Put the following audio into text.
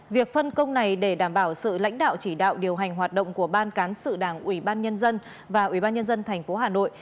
việc phân công này để đảm bảo sự lãnh đạo chỉ đạo điều hành hoạt động của ban cán sự đảng ubnd và ubnd tp hà nội